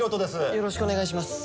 よろしくお願いします。